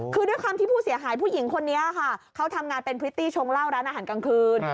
คือด้วยความที่ผู้เสียหายผู้หญิงคนนี้ค่ะเขาทำงานเป็นพริตตี้ชงเหล้าร้านอาหารกลางคืน